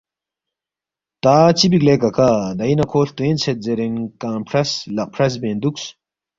’تا چِہ بیک لے ککا دئی نہ کھو ہلتوینگ ژھید زیرین کنگ فرَس لق فرس بین دُوکس